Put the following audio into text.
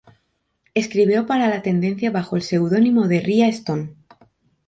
Escribió para la tendencia bajo el seudónimo de Ria Stone.